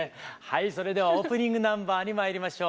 それではオープニングナンバーにまいりましょう。